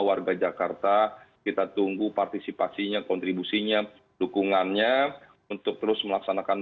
warga jakarta kita tunggu partisipasinya kontribusinya dukungannya untuk terus melaksanakan